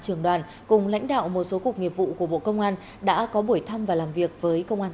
trường đoàn cùng lãnh đạo một số cục nghiệp vụ của bộ công an đã có buổi thăm và làm việc với công an